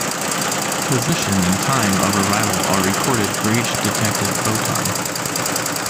Position and time of arrival are recorded for each detected photon.